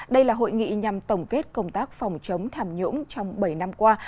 đây là hội nghị nhằm tổng kết công tác phòng chống tham nhũng trong bảy năm qua